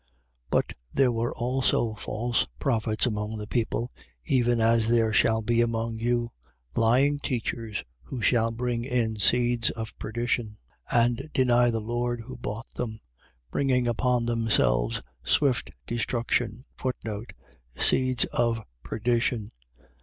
2:1. But there were also false prophets among the people, even as there shall be among you lying teachers who shall bring in sects of perdition and deny the Lord who bought them: bringing upon themselves swift destruction. Seeds of perdition.